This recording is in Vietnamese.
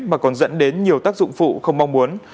mà còn dẫn đến nhiều tác dụng phụ không mong muốn